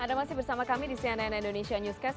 anda masih bersama kami di cnn indonesia newscast